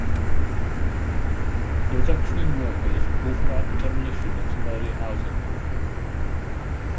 The reduction in workers brought about the demolition of some of the early housing.